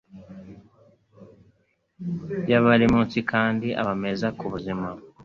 ya buri munsi, kandi aba meza ku buzima